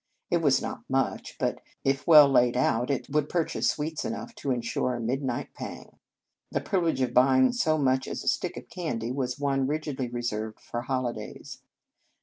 It was not much, but, if well laid out, it would purchase sweets enough to insure a midnight pang. The privilege of buying so much as a stick of candy was one rigidly reserved for holidays.